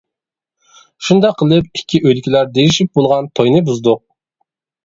شۇنداق قىلىپ، ئىككى ئۆيدىكىلەر دېيىشىپ بولغان توينى بۇزدۇق.